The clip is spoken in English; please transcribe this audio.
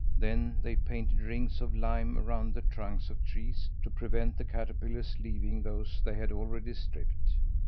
Then they painted rings of lime around the trunks of trees to prevent the caterpillars leaving those they had already stripped.